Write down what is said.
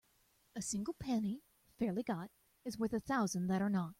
A single penny fairly got is worth a thousand that are not.